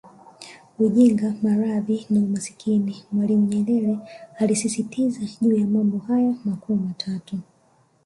Ujinga maradhi na Umaskini Mwalimu Nyerere alisisitiza juu ya mambo haya makuu matatu